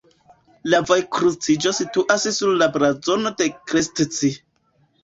La vojkruciĝo situas sur la blazono de Krestci.